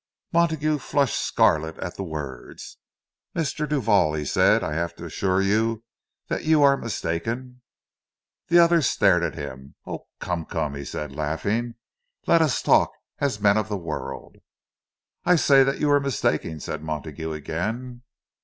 Montague flushed scarlet at the words. "Mr. Duval," he said, "I have to assure you that you are mistaken—" The other stared at him. "Oh, come, come!" he said, laughing. "Let us talk as men of the world." "I say that you are mistaken," said Montague again.